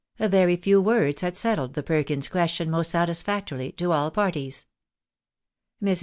A very few words had settled the Perkins question most satisfactorily to aU parties. Mrs.